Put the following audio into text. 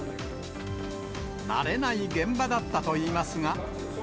慣れない現場だったといいますが。